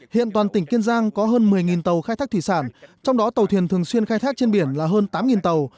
hiện toàn tỉnh kiên giang có hơn một mươi tàu khai thác thủy sản trong đó tàu thuyền thường xuyên khai thác trên biển là hơn tám tàu